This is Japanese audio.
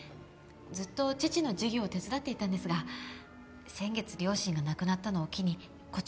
ずっと父の事業を手伝っていたんですが先月両親が亡くなったのを機にこちらに出てきました。